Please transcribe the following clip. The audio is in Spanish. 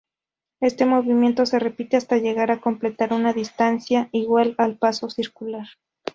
Este movimiento se repite hasta llegar a completar una distancia igual al paso circular.